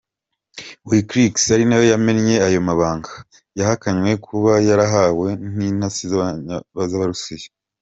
Wikileaks ari nayo yamennye ayo mabanga, yahakanye kuba yarayahawe n’intasi z’Abarusiya.